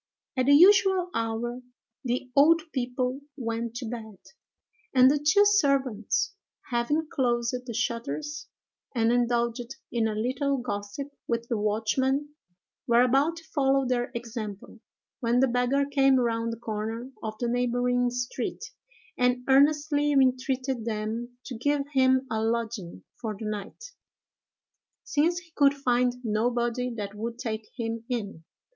At the usual hour the old people went to bed; and the two servants, having closed the shutters, and indulged in a little gossip with the watchman, were about to follow their example, when the beggar came round the corner of the neighboring street, and earnestly entreated them to give him a lodging for the night, since he could find nobody that would take him in.